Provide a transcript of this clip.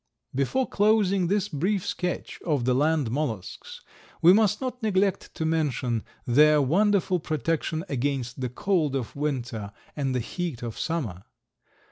Before closing this brief sketch of the Land Mollusks we must not neglect to mention their wonderful protection against the cold of winter and the heat of summer.